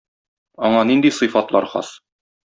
Аңа нинди сыйфатлар хас?